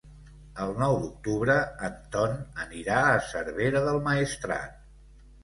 El nou d'octubre en Ton anirà a Cervera del Maestrat.